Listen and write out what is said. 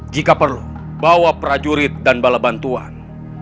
jika perlu bawa prajurit dan bala bantuan